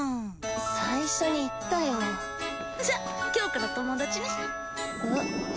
最初に言ったよじゃ今日から友達ねえっ？